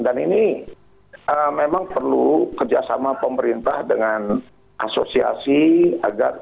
dan ini memang perlu kerjasama pemerintah dengan asosiasi agar ini bisa berhasil